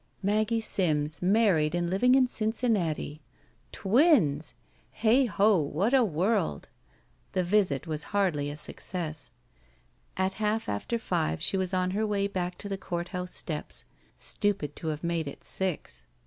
Maggie Simms married and living in Cincinnati. Twins! Heigh ho! What a world! The visit was hardly a success. At half after five she was on her way back to the court house steps. Stupid to have made it six!